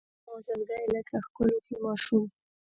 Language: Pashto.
زما زړګی لکه ښکلوکی ماشوم